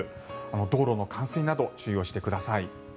道路の冠水など注意をしてください。